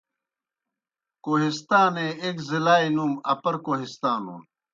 کوہستانے ایک ضلعلائے نوُم اپر کوہستانُن۔